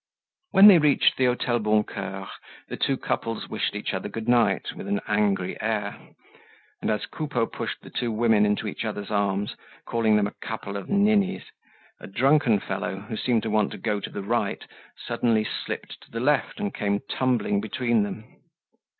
When they reached the Hotel Boncoeur, the two couples wished each other good night, with an angry air; and as Coupeau pushed the two women into each other's arms, calling them a couple of ninnies, a drunken fellow, who seemed to want to go to the right, suddenly slipped to the left and came tumbling between them.